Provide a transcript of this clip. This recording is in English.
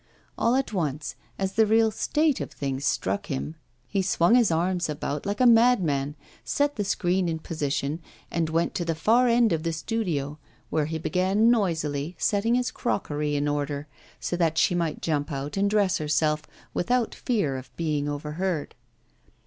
All at once, as the real state of things struck him, he swung his arms about like a madman, set the screen in position, and went to the far end of the studio, where he began noisily setting his crockery in order, so that she might jump out and dress herself, without fear of being overheard.